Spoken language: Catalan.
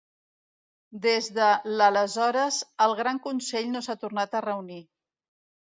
Des de l'aleshores el Gran Consell no s'ha tornat a reunir.